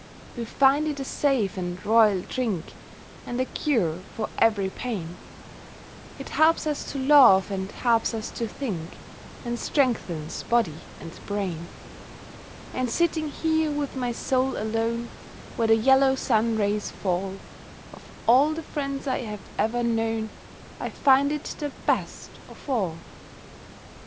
We find it a safe and royal drink, And a cure for every pain; It helps us to love, and helps us to think, And strengthens body and brain. And sitting here, with my Soul alone, Where the yellow sun rays fall, Of all the friends I have ever known I find it the best of all.